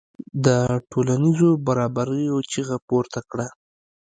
د ټولنیزو برابریو چیغه پورته کړه.